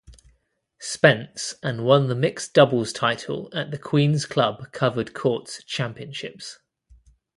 Spence and won the mixed doubles title at the Queen's Club Covered Courts Championships.